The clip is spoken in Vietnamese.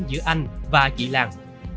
giữa anh và chị lan